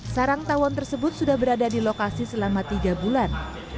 sarang tawon tersebut sudah berada di lokasi selama tiga bulan